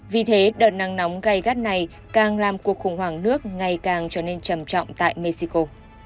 vì thế đợt nắng nóng gai gắt này càng làm cuộc khủng hoảng nước ngày càng trở nên trầm trọng tại mexico